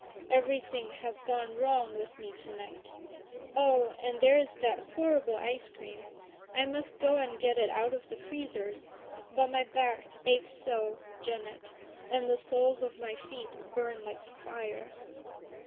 "Everything has gone wrong with me to night. Oh, and there is that horrible ice cream! I must go and get it out of the freezers. But my back aches so, Janet, and the soles of my feet burn like fire."